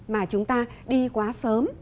mà chúng ta đi quá sớm